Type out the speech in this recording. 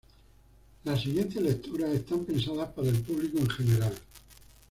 Las siguientes lecturas están pensadas para el público en general.